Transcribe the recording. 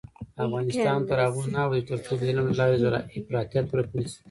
افغانستان تر هغو نه ابادیږي، ترڅو د علم له لارې افراطیت ورک نشي.